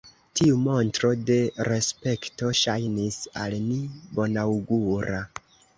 Tiu montro de respekto ŝajnis al ni bonaŭgura.